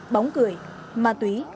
bóng cười ma túy